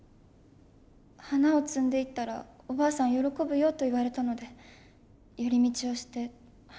「花を摘んでいったらおばあさん喜ぶよ」と言われたので寄り道をして花を摘みました。